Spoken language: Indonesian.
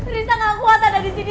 risa gak kuat ada disini